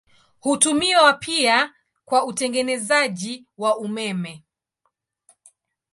Hutumiwa pia kwa utengenezaji wa umeme.